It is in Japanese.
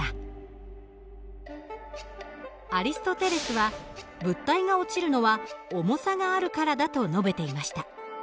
アリストテレスは物体が落ちるのは重さがあるからだと述べていました。